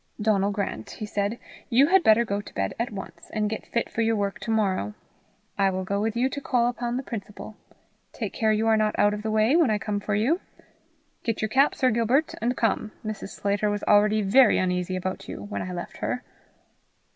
"Donal Grant," he said, "you had better go to bed at once, and get fit for your work to morrow. I will go with you to call upon the principal. Take care you are not out of the way when I come for you. Get your cap, Sir Gilbert, and come. Mrs. Sclater was already very uneasy about you when I left her."